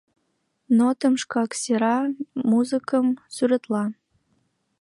Нотым шкак сера... музыкым сӱретла...